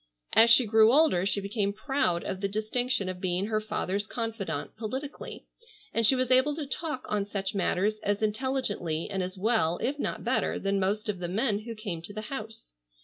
As she grew older she became proud of the distinction of being her father's confidante politically, and she was able to talk on such matters as intelligently and as well if not better than most of the men who came to the house.